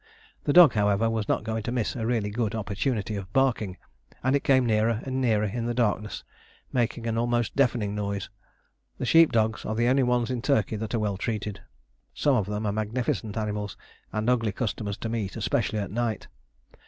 The dog, however, was not going to miss a really good opportunity of barking, and it came nearer and nearer in the darkness, making an almost deafening noise. The sheep dogs are the only ones in Turkey that are well treated; some of them are magnificent animals and ugly customers to meet, especially at night.